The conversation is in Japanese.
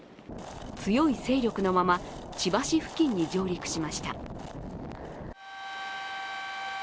強い勢力のまま、千葉市付近に上陸しました。